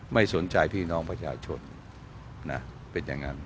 ไม่สนใจพี่น้องประชาชนนะเป็นอย่างนั้น